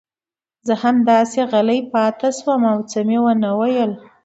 زه همداسې غلی پاتې شوم او څه مې ونه ویل.